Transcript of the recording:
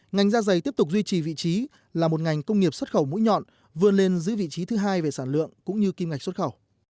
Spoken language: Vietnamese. ngành da giày tiếp tục duy trì vị trí là một ngành công nghiệp xuất khẩu mũi nhọn vươn lên giữ vị trí thứ hai về sản lượng cũng như kim ngạch xuất khẩu